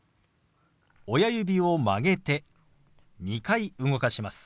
親指を曲げて２回動かします。